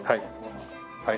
はい。